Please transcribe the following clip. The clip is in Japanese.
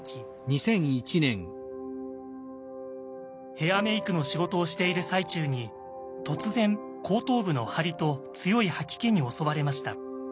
ヘアメイクの仕事をしている最中に突然後頭部の張りと強い吐き気に襲われました。